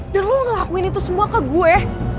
dan lo ngelakuin itu semua ke gue